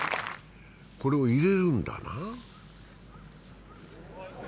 これを入れるんだな。